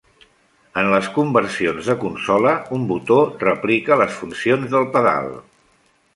En les conversions de consola, un botó replica les funcions del pedal.